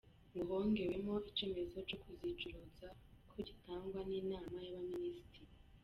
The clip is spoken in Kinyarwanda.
Ngo hongewemo icyemezo cyo kuzicuruza ko gitangwa n’inama y’abaminisitiri.